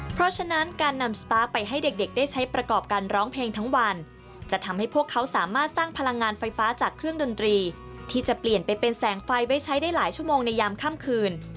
เพราะฉะนั้นการนำสปาร์คไปให้เด็กได้ใช้ประกอบการร้องเพลงทั้งวันจะทำให้พวกเขาสามารถสร้างพลังงานไฟฟ้าจากเครื่องดนตรีที่จะเปลี่ยนไปเป็นแสงไฟไว้ใช้ได้หลายชั่วโมงในยามค่ำคืน